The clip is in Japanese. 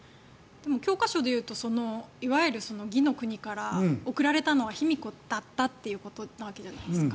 でも教科書で言うといわゆる魏の国から贈られたのは、卑弥呼だったということなわけじゃないですか